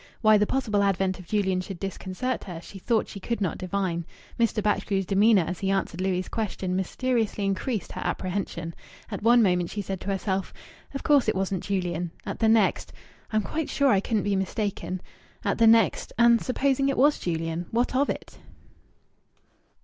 Why the possible advent of Julian should disconcert her, she thought she could not divine. Mr. Batchgrew's demeanour as he answered Louis' question mysteriously increased her apprehension. At one moment she said to herself, "Of course it wasn't Julian." At the next, "I'm quite sure I couldn't be mistaken." At the next, "And supposing it was Julian what of it?"